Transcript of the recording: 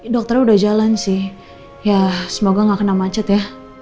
dokternya udah jalan sih ya semoga gak kena macet ya